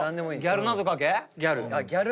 ギャルなぞかけ？